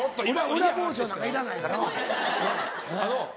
裏包丁なんかいらないからうん。